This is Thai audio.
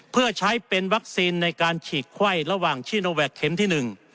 เพื่อใช้เป็นวัคซีนในการฉีดไข้ระหว่างชิโนแวคเข็มที่๑